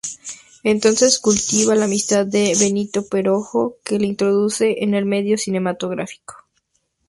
Entonces cultiva la amistad de Benito Perojo, que le introduce en el medio cinematográfico.